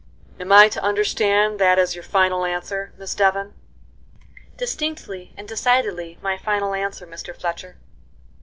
] "Am I to understand that as your final answer, Miss Devon?" "Distinctly and decidedly my final answer, Mr Fletcher."